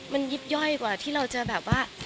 มันยิบย่อยกว่าที่เราจะแบบว่า